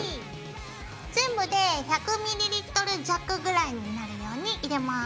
全部で１００ｍｌ弱ぐらいになるように入れます。